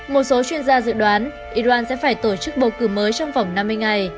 một số chuyên gia dự đoán iran sẽ phải tổ chức bầu cử mới trong vòng năm mươi ngày